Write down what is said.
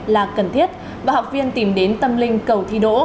là cần thiết và học viên tìm đến tâm linh cầu thi đỗ